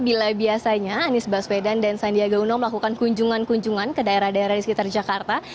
bila biasanya anies baswedan dan sandiaga uno melakukan kunjungan kunjungan ke daerah daerah di sekitar jakarta